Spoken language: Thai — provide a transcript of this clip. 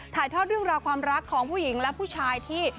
ถ่ายทอดเรื่องราวความรักของผู้หญิงและผู้ชายที่